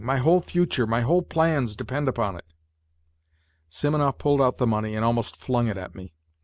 My whole future, my whole plans depend upon it !" Simonov pulled out the money and almost flung it at me.